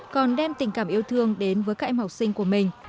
còn đem tình cảm yêu thương đến với các em học sinh của mình